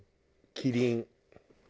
キリン？